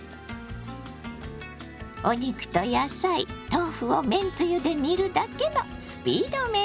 お肉と野菜豆腐をめんつゆで煮るだけのスピードメニュー。